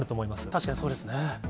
確かにそうですね。